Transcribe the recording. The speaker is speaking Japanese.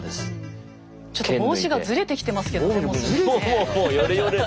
ちょっと帽子がずれてきてますけどねもう既にね。